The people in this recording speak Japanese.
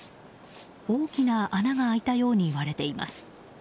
大きな穴が開いたように割れています。